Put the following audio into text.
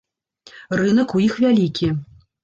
Рынак у іх вялікі.